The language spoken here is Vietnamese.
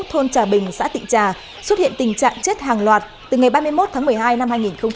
thôn trà bình xã tịnh trà xuất hiện tình trạng chết hàng loạt từ ngày ba mươi một tháng một mươi hai năm hai nghìn một mươi chín